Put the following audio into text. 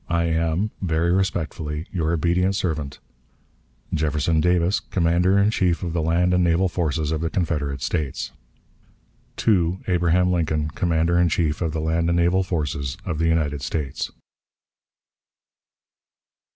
I am, very respectfully, your obedient servant, "JEFFERSON DAVIS, "Commander in Chief of the land and naval forces of the Confederate States. "To ABRAHAM LINCOLN, "_Commander in Chief of the land and naval fores of the United States.